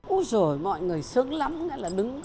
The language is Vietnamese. úi dồi mọi người sướng lắm